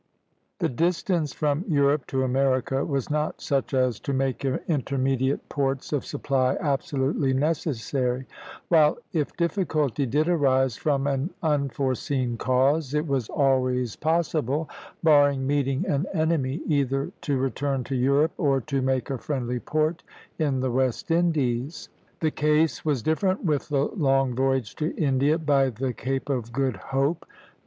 The distance from Europe to America was not such as to make intermediate ports of supply absolutely necessary; while if difficulty did arise from an unforeseen cause, it was always possible, barring meeting an enemy, either to return to Europe or to make a friendly port in the West Indies. The case was different with the long voyage to India by the Cape of Good Hope.